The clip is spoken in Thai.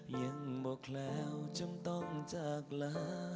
ยังบอกแล้วจำต้องจากลา